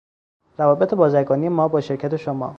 روابط بازرگانی ما با شرکت شما